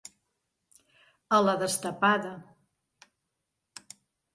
A la destapada.